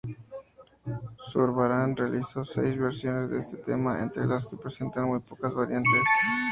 Zurbarán realizó seis versiones de este tema, entre las que presentan muy pocas variantes.